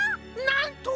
なんと！